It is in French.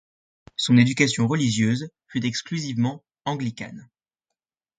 Son éducation religieuse fut exclusivement anglicane.